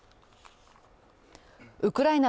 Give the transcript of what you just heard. ウクライナ